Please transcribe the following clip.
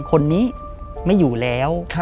คนนี้ไม่อยู่แล้ว